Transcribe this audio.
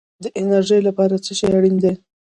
د انرژۍ لپاره څه شی اړین دی؟